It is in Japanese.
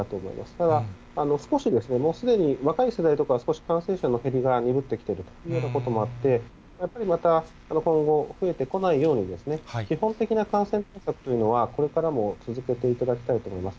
ただ、少し、もうすでに若い世代とかは少し感染者の減りが鈍ってきているというようなこともあって、やっぱりまた今後、増えてこないように、基本的な感染対策というのはこれからも続けていただきたいと思います。